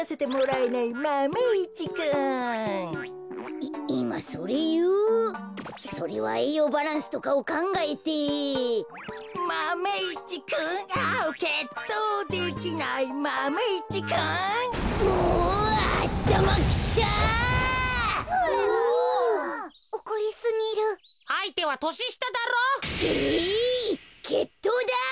えいけっとうだ！